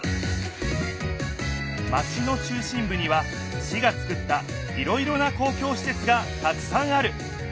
マチの中心ぶには市がつくったいろいろな公共しせつがたくさんある。